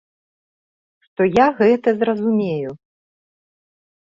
Што я гэта зразумею.